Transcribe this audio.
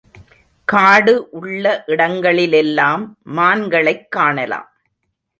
காடு உள்ள இடங்களிலெல்லாம் மான்களைக் காணலாம்.